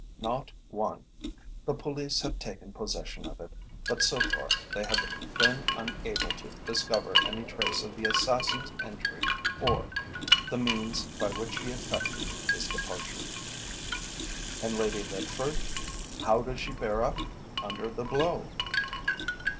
"Not one. The police have taken possession of it, but so far they have been unable to discover any trace of the assassin's entry or the means by which he effected his departure." "And Lady Litford? How does she bear up under the blow?"